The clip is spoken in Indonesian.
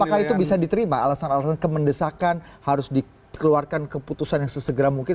apakah itu bisa diterima alasan alasan kemendesakan harus dikeluarkan keputusan yang sesegera mungkin